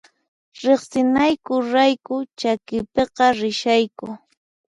Riqsinayku rayku chakipiqa rishayku